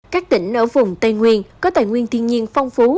các tỉnh ở vùng tây nguyên có tài nguyên thiên nhiên phong phú